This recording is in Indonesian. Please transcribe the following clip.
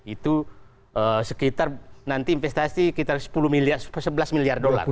itu sekitar nanti investasi sekitar sepuluh miliar sebelas miliar dolar